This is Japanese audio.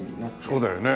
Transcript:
そうだよね。